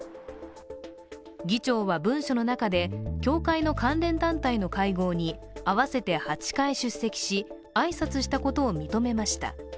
議長は文書の中で、教会の関連団体の会合に合わせて８回出席し、挨拶したことを認めました。